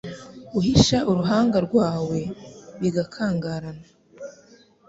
Uhisha uruhanga rwawe bigakangarana